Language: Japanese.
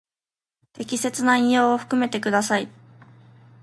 適切な引用を含めてください。